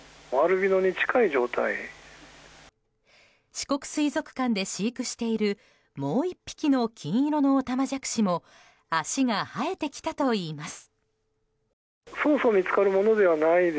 四国水族館で飼育しているもう１匹の金色のオタマジャクシも脚が生えてきたといいます。